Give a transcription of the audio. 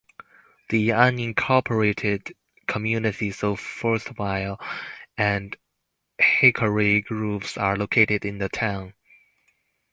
The unincorporated communities of Frostville and Hickory Groves are located in the town.